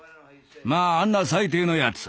まああんな最低のやつ